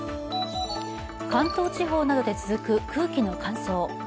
関東地方などで続く空気の乾燥。